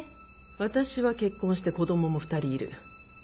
私は結婚して子供も２人いる。